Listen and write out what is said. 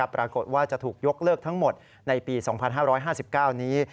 ปรากฏว่าจะถูกยกเลิกทั้งหมดในปี๒๕๕๙นี้